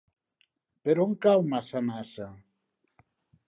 Per on cau Massanassa?